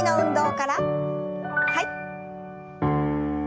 はい。